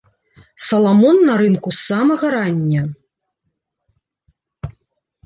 Саламон на рынку з самага рання.